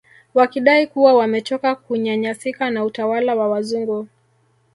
Wakidai kuwa wamechoka kunyanyasika na utawala wa wazungu